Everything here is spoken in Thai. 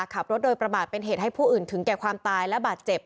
ขับรถโดยประมาทเป็นเหตุให้ผู้อื่นถึงแก่ความตายและบาดเจ็บ